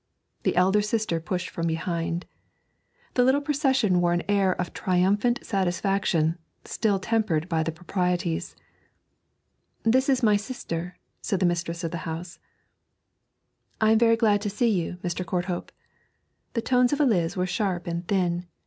The elder sister pushed from behind. The little procession wore an air of triumphant satisfaction, still tempered by the proprieties. 'This is my sister,' said the mistress of the house. 'I am very glad to see you, Mr. Courthope.' The tones of Eliz were sharp and thin.